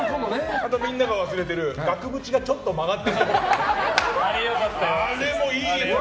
あと、みんなが忘れてる額縁がちょっと曲がってるところ。